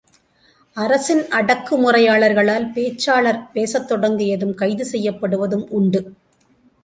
அரசின் அடக்குமுறையாளர்களால், பேச்சாளர், பேசத் தொடங்கியதும், கைது செய்யப்படுவதும் உண்டு.